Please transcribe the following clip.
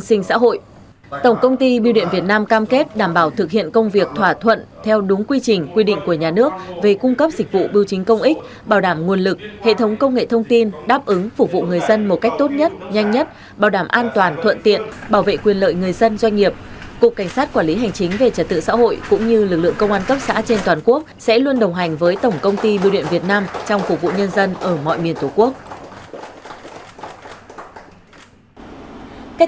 xã hội tổng công ty biêu điện việt nam cam kết đảm bảo thực hiện công việc thỏa thuận theo đúng quy trình quy định của nhà nước về cung cấp dịch vụ biêu chính công ích bảo đảm nguồn lực hệ thống công nghệ thông tin đáp ứng phục vụ người dân một cách tốt nhất nhanh nhất bảo đảm an toàn thuận tiện bảo vệ quyền lợi người dân doanh nghiệp cục cảnh sát quản lý hành chính về trật tự xã hội cũng như lực lượng công an cấp xã trên toàn quốc sẽ luôn đồng hành với tổng công ty biêu điện việt nam trong phục vụ nhân dân ở mọi miền tổ quốc